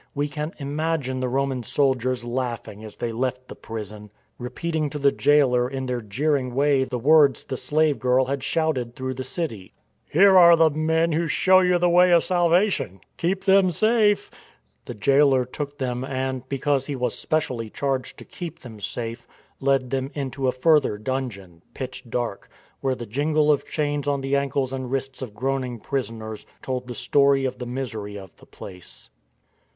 We can imagine the Roman soldiers laughing as they left the prison, repeating to the jailer in their jeering way the words the slave girl had shouted through the city, 194 PAUL BEATEiX WITH ROMAN RODS AT PHILIPTl "The lictor brought down his rod with cruel strokes." EARTHQUAKE 195 " Here are the men who ' show you the way of sal vation.' Keep them safe." The jailer took them and, because he was specially charged to keep them safe, led them into a further dungeon, pitch dark, where the jingle of chains on the ankles and wrists of groaning prisoners told the story of the misery of the place.